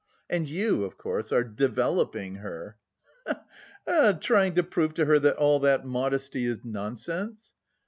"And you, of course, are developing her... he he! trying to prove to her that all that modesty is nonsense?"